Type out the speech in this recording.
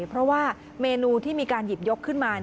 เพราะว่าเมนูที่มีการหยิบยกขึ้นมา